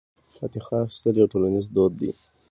فاتحه اخیستل یو ټولنیز دود دی.